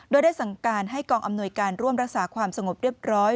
โดยได้สั่งการให้กองอำนวยการร่วมรักษาความสงบเรียบร้อย